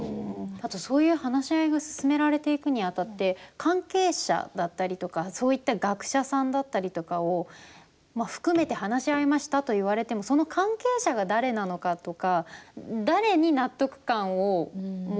あと、そういう話し合いが進められていくにあたって関係者だったりとか、そういった学者さんだったりとかを含めて話し合いましたと言われても１人じゃないじゃないですか。